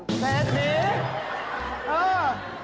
เศษนี้